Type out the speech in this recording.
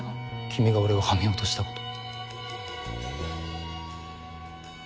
君が俺をはめようとしたこと。